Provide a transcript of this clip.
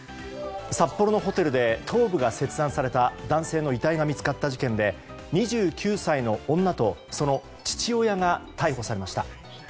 札幌のホテルで頭部が切断された男性の遺体が見つかった事件で２９歳の女と、その父親が逮捕されました。